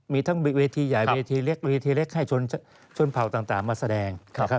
มีทั้งเวทีใหญ่เวทีเล็กให้ชนเผ่าต่างมาแสดง